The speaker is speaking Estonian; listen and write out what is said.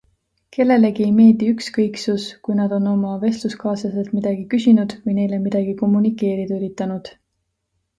Kellelegi ei meeldi ükskõiksus, kui nad on oma vestluskaaslaselt midagi küsinud või neile midagi kommunikeerida üritanud.